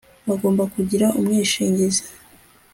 bagomba kugira umwishingizi